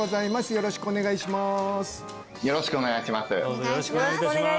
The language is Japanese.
よろしくお願いします